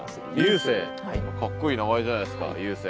かっこいい名前じゃないですか悠生。